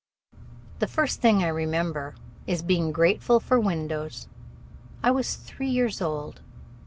The first thing I remember is being grateful for windows. I was three years old.